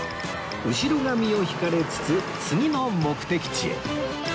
後ろ髪を引かれつつ次の目的地へ